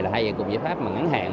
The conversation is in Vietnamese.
là hai cùng giá pháp ngắn hạn